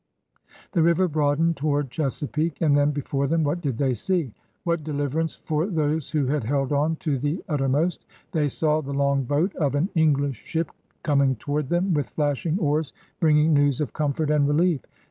The river broad^ied tof^ard Chesapeake — and then» before them, what did they see? What de liverance for those who had held on to the utter most? They saw the long boat of an English ship coming toward them with flashing oars, bringing news of comfort and rdief.